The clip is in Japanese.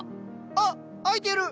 あっ開いてる！